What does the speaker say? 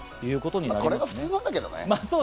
これが普通なんだけどね。